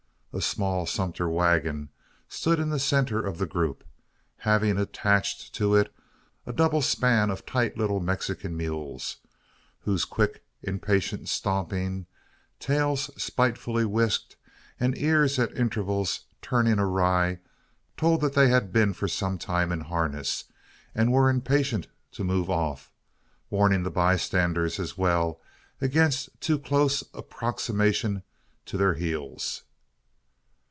A small sumpter waggon stood in the centre of the group; having attached to it a double span of tight little Mexican mules, whose quick impatient "stomping," tails spitefully whisked, and ears at intervals turning awry, told that they had been for some time in harness, and were impatient to move off warning the bystanders, as well, against a too close approximation to their heels.